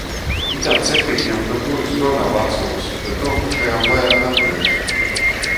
Itam cepīņam to byus gona vacūs, bet nuokušajam vaira nabyus.